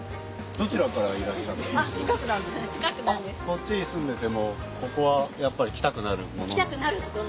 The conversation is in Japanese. こっちに住んでてもここはやっぱり来たくなる？